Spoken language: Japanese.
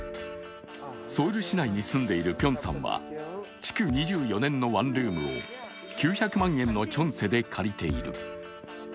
ソウル市内に住んでいるピョンさんは築２５年のマンションを９００万円のチョンセで借りている。